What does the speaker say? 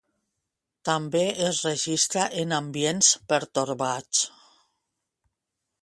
També es registra en ambients pertorbats.